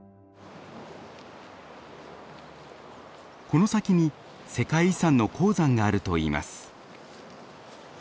この先に世界遺産の鉱山があるといいます。